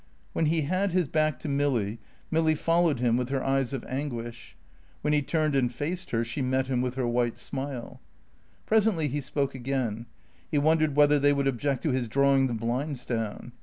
When he had his back to Milly, Milly followed him with her eyes of anguish; when he turned and faced her, she met him with her white smile. Presently he spoke again. He wondered whether they would object to his drawing the blinds down.